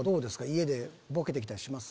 家でボケてきたりします？